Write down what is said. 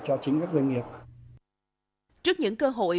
trước những cơ hội các doanh nghiệp đã tìm ra những cơ hội